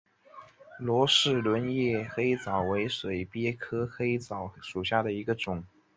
罗氏轮叶黑藻为水鳖科黑藻属下的一个种。